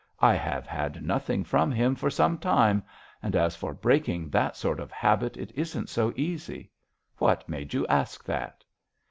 "I have had nothing from him for some time; and, as for breaking that sort of habit, it isn't so easy. What made you ask that?"